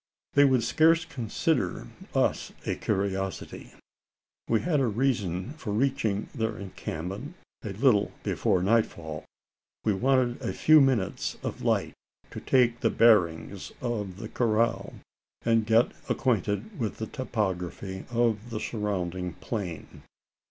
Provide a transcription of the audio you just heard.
They would scarce consider us a curiosity. We had a reason for reaching their encampment a little before nightfall: we wanted a few minutes of light to take the bearings of the corral, and get acquainted with the topography of the surrounding plain.